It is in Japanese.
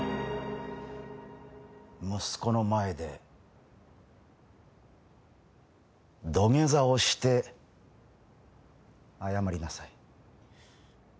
息子の前で土下座をして謝りなさい。